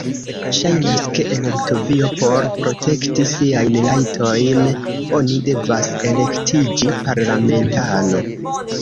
Ŝajnas, ke en Litovio, por protekti siajn rajtojn, oni devas elektiĝi parlamentano.